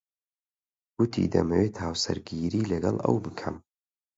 گوتی دەمەوێت هاوسەرگیری لەگەڵ ئەو بکەم.